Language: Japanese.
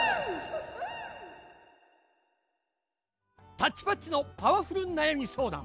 「タッチパッチのパワフルなやみそうだん」。